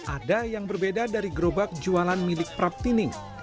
ada yang berbeda dari gerobak jualan milik praptining